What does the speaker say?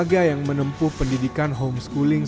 tenaga yang menempuh pendidikan homeschooling